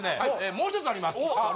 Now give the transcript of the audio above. もうひとつあります